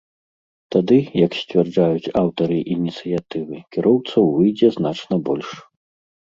Тады, як сцвярджаюць аўтары ініцыятывы, кіроўцаў выйдзе значна больш.